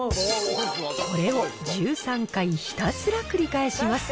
これを１３回ひたすら繰り返します。